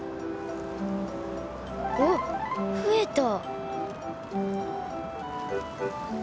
おっふえた。